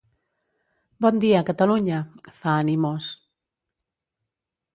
Bon dia, Catalunya —fa, animós—.